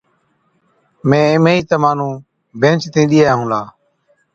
مين اِمهين ئِي تمهان نُون بيهنچتِي ڏِيئَين هُلا۔